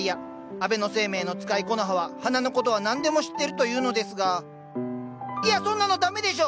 安倍晴明の使いコノハは花の事は何でも知ってると言うのですがいやそんなのダメでしょ！